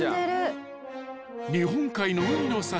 ［日本海の海の幸］